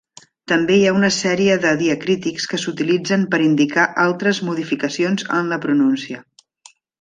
També hi ha una sèrie de diacrítics que s'utilitzen per indicar altres modificacions en la pronúncia.